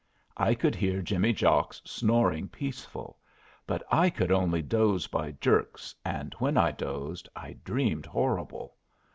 I could hear Jimmy Jocks snoring peaceful, but I could only doze by jerks, and when I dozed I dreamed horrible.